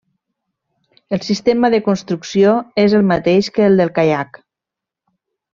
El sistema de construcció és el mateix que el del caiac.